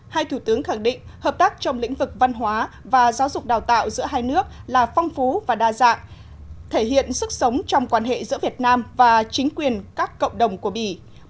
hai thủ tướng khẳng định hợp tác trong lĩnh vực văn hóa và giáo dục đào tạo giữa hai nước là phong phú và đa dạng thể hiện sức sống trong quan hệ giữa việt nam và chính quyền các cộng đồng của bỉ